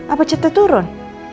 apa catnya turun